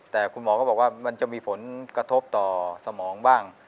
แต่คุณหมอก็บอกว่ามันจะมีผลกระทบต่อสมองบ้าง